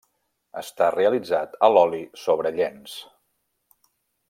Està realitzat a l'oli sobre llenç.